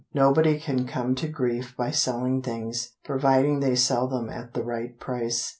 Nobody can come to grief by selling things, Providing they sell them at the right price.